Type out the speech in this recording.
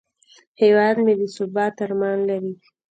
هیواد مې د ثبات ارمان لري